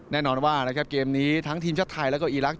แน่นอนว่าเกมนี้ทั้งทีมชาติไทยและอีลักษณ์